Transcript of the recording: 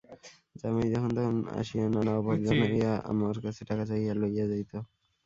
জামাই যখন-তখন আসিয়া নানা অভাব জানাইয়া আমার কাছে টাকা চাহিয়া লইয়া যাইত।